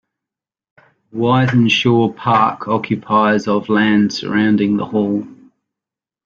Wythenshawe Park occupies of land surrounding the hall.